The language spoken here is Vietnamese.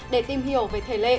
để tìm hiểu về thể lệ